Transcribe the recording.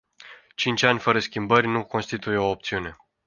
Cinci ani fără schimbări nu constituie o opțiune.